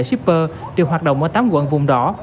shipper được hoạt động ở tám quận vùng đỏ